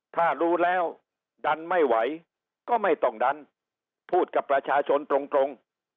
ถ้ารู้แล้วดันไม่ไหวก็ไม่ต้องดันพูดกับประชาชนตรง